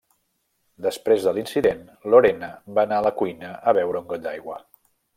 Després de l'incident, Lorena va anar a la cuina a beure un got d'aigua.